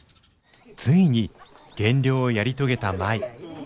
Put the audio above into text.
ついに減量をやり遂げた舞。